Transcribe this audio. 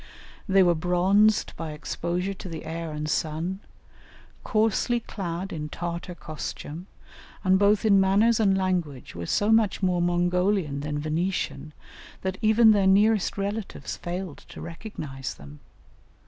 They were bronzed by exposure to the air and sun, coarsely clad in Tartar costume, and both in manners and language were so much more Mongolian than Venetian, that even their nearest relatives failed to recognize them.